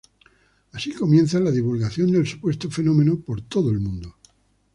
Así comienza la divulgación del supuesto fenómeno por todo el mundo.